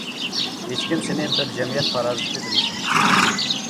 ھېچكىم سېنى بىر جەمئىيەت پارازىتى دېمىسۇن.